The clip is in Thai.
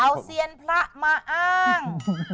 เอาเซียนพระมาอ้าง